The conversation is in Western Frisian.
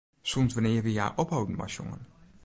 Sûnt wannear wie hja opholden mei sjongen?